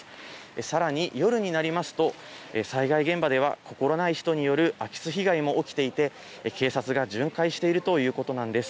さらに夜になりますと、災害現場では心ない人による空き巣被害も起きていて、警察が巡回しているということなんです。